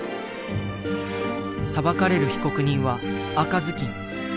裁かれる被告人は赤ずきん。